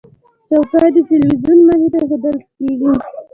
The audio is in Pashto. چوکۍ د تلویزیون مخې ته ایښودل کېږي.